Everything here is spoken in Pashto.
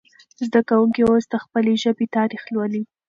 زده کوونکي اوس د خپلې ژبې تاریخ لولي.